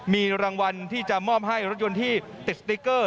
มีรางวัลที่จะมอบให้รถยนต์ที่ติดสติ๊กเกอร์